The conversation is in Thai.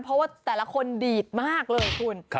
เพราะว่าแต่ละคนดีดมากเลยคุณ